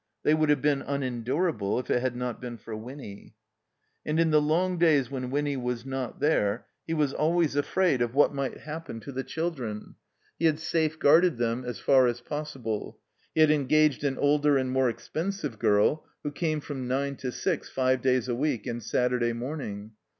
Thqr would have been unendtu^able if it had not been for Winny. And in the long days when Winny was not there he was always afraid of what might happen to the children. He had safeguarded them as far as pos sible. He had engaged an older and more expensive girl, who came from nine to six, five days a week and Saturday morning.